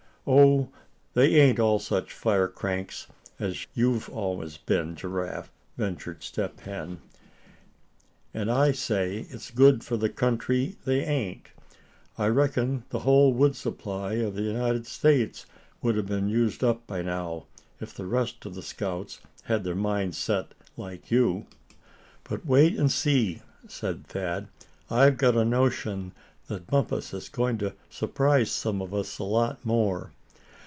"Oh! they ain't all such fire cranks as you've always been, Giraffe," ventured Step Hen. "And I say it's good for the country they ain't. I reckon the whole wood supply of the United States would have been used up by now if the rest of the scouts had their minds set like you." "But wait and see," said Thad. "I've got a notion that Bumpus is going to surprise some of us a lot more.